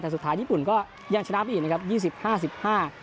แต่สุดท้ายญี่ปุ่นก็ยังชนะไปอีกนะครับยี่สิบห้าสิบห้า